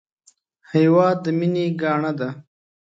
هېواد د مینې ګاڼه ده